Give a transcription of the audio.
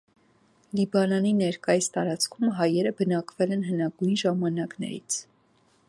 Լիբանանի ներկայիս տարածքում հայերը բնակվել են հնագույն ժամանակներից։